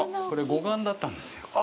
これ、護岸だったんですよ。